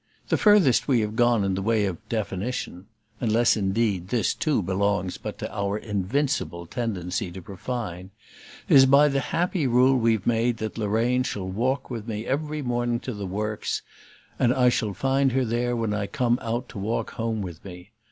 The furthest we have gone in the way of definition unless indeed this too belongs but to our invincible tendency to refine is by the happy rule we've made that Lorraine shall walk with me every morning to the Works, and I shall find her there when I come out to walk home with me.